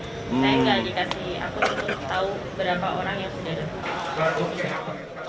saya nggak dikasih akun untuk tahu berapa orang yang sudah datang